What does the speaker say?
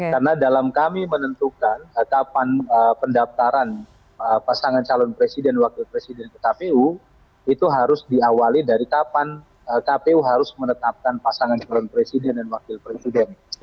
karena dalam kami menentukan kapan pendaftaran pasangan calon presiden dan wakil presiden ke kpu itu harus diawali dari kapan kpu harus menetapkan pasangan calon presiden dan wakil presiden